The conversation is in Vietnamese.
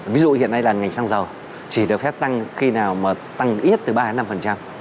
ví dụ hiện nay là ngành xăng dầu chỉ được phép tăng khi nào mà tăng ít từ ba đến năm